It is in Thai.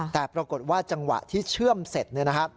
แต่ปรากฏว่าจังหวะที่เชื่อมเสร็จ